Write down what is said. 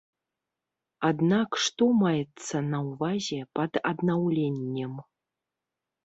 Аднак што маецца на ўвазе пад аднаўленнем?